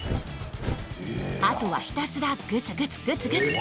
あとはひたすらグツグツグツグツ。